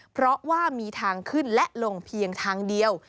เพราะว่ามีทางขึ้นและลงเพียงทางเดียว